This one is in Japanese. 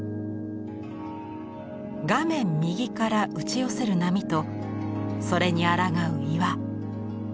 画面右から打ち寄せる波とそれにあらがう岩。